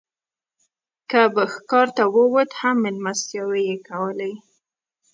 که به ښکار ته ووت هم مېلمستیاوې یې کولې.